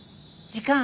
時間。